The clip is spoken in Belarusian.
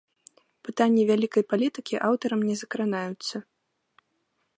Пытанні вялікай палітыкі аўтарам не закранаюцца.